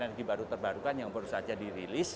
dan ini lagi dari energi baru terbarukan yang baru saja dirilis